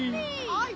はい！